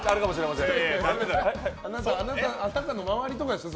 あなたの周りとかでしょ。